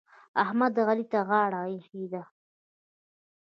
احمد؛ علي ته غاړه ايښې ده.